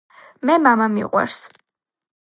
მე მამა მიყვარს